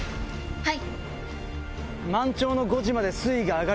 はい！